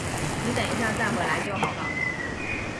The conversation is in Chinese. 你等一下再回来就好了